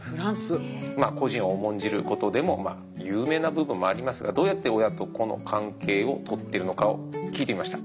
個人を重んじることでも有名な部分もありますがどうやって親と子の関係をとっているのかを聞いてみました。